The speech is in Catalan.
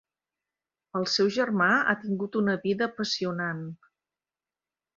El seu germà ha tingut una vida apassionant.